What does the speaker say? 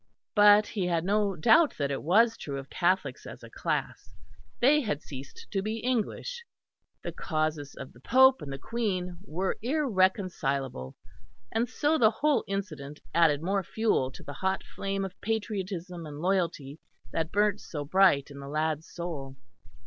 But he had no doubt that it was true of Catholics as a class; they had ceased to be English; the cause of the Pope and the Queen were irreconcilable; and so the whole incident added more fuel to the hot flame of patriotism and loyalty that burnt so bright in the lad's soul.